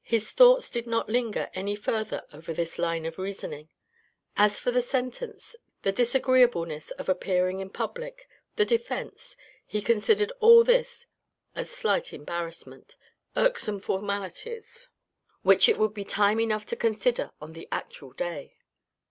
His thoughts did not linger any further over this line of reasoning. As for the sentence, the disagreeableness of appearing in public, the defence, he considered all this as slight embarrassment, irksome formalities, which it would be SAD DETAILS 471 time enough to consider on the actual day.